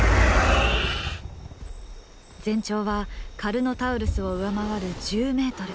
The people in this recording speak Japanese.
全長はカルノタウルスを上回る１０ｍ。